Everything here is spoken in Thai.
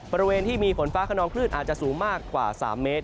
บริเวณที่มีฝนฟ้าขนองคลื่นอาจจะสูงมากกว่า๓เมตร